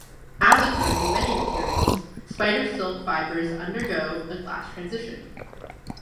As occurs in many materials, spider silk fibers undergo a glass transition.